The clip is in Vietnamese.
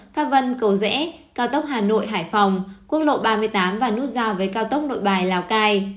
pháp vân cầu rẽ cao tốc hà nội hải phòng quốc lộ ba mươi tám và nút giao với cao tốc nội bài lào cai